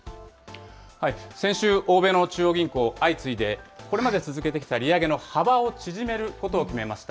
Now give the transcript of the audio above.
先週、欧米の中央銀行、相次いでこれまで続けてきた利上げの幅を縮めることを決めました。